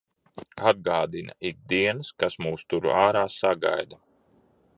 Atgādina ik dienas, kas mūs tur ārā sagaida.